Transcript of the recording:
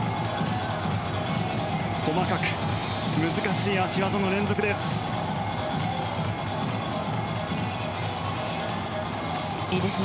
細かく、難しい脚技の連続です。